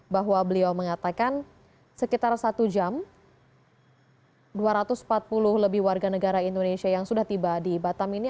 bahwa beliau mengatakan sekitar satu jam dua ratus empat puluh lebih warga negara indonesia yang sudah tiba di batam ini